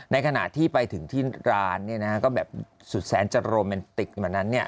ในขณะที่ไปถึงที่ร้านเนี่ยนะฮะก็แบบสุดแสนจนโรแมนติกเหมือนนั้นเนี่ย